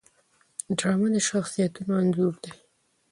ډرامه د شخصیتونو انځور دی